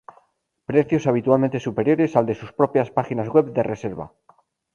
Precios habitualmente superiores al de sus propias páginas web de reserva.